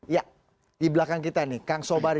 ya di belakang kita nih kang sobari